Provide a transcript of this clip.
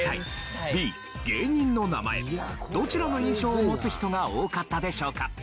どちらの印象を持つ人が多かったでしょうか？